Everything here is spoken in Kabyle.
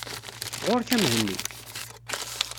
Ɣur-k a Mhenni!